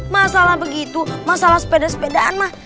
masalah begitu masalah sepeda sepedaan mah